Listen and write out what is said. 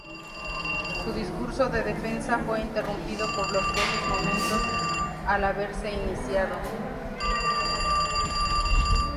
Su discurso de defensa fue interrumpido por los jueces momentos al haberse iniciado.